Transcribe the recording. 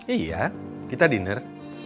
iya kita diner